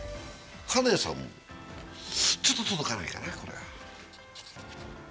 金谷さんも、ちょっと届かないかなこれは。